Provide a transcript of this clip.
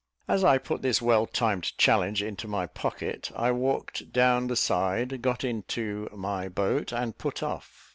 As I put this well timed challenge into my pocket, I walked down the side, got into my boat, and put off.